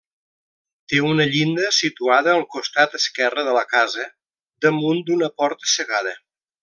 Té una llinda situada al costat esquerre de la casa, damunt d'una porta cegada.